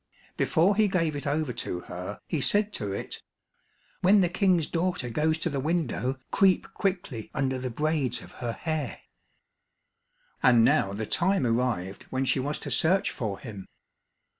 Before he gave it over to her, he said to it, "When the King's daughter goes to the window, creep quickly under the braids of her hair." And now the time arrived when she was to search for him.